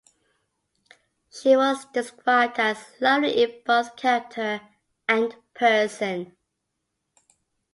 She was described as "lovely in both character and person".